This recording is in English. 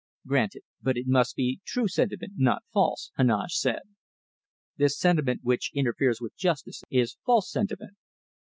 "Granted; but it must be true sentiment, not false," Heneage said. "This sentiment which interferes with justice is false sentiment."